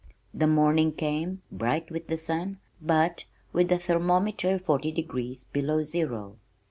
The morning came, bright with sun but with the thermometer forty degrees below zero.